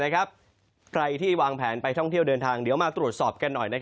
ใครที่วางแผนไปท่องเที่ยวเดินทางเดี๋ยวมาตรวจสอบกันหน่อย